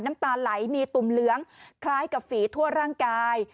น้ำตาไหลมีตุ่มเหลืองคล้ายกับฝีทั่วร่างกาย